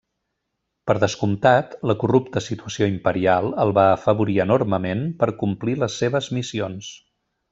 Per descomptat, la corrupta situació imperial el va afavorir enormement per complir les seves missions.